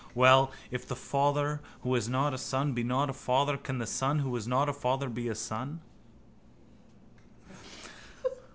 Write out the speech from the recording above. Well: if the father who has not a son be not a father can the son who has not a father be a son?